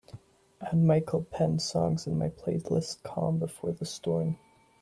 add Michael Penn songs in my playlist Calm before the storm